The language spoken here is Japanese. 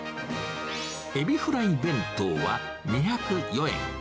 海老フライ弁当は２０４円。